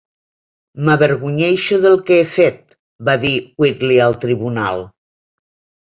"M'avergonyeixo de què he fet", va dir Wheatley al tribunal.